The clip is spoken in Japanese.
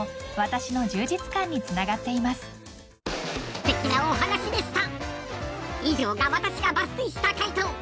すてきなお話でした。